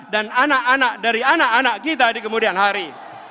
dan anak anak dari anak anak kita di kemudian hari